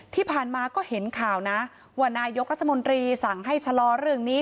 ที่ผ่านมาก็เห็นข่าวนะว่านายกรัฐมนตรีสั่งให้ชะลอเรื่องนี้